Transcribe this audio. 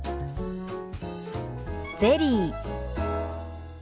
「ゼリー」。